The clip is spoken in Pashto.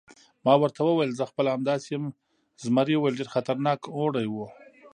ما ورته وویل: زه خپله همداسې یم، زمري وویل: ډېر خطرناک اوړی و.